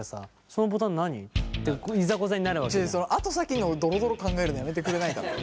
その後先のドロドロ考えるのやめてくれないかな。